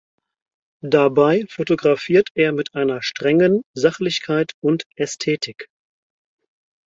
Dabei fotografiert er mit einer strengen Sachlichkeit und Ästhetik.